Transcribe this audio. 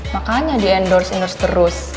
makanya di endorse endorse terus